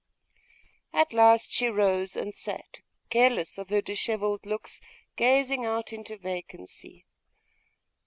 At last she rose, and sat, careless of her dishevelled locks, gazing out into vacancy.